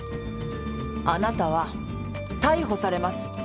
あなたは逮捕されます。